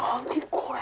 これ。